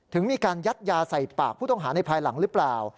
มีการยัดยาใส่ปากผู้ต้องหาในภายหลังหรือเปล่า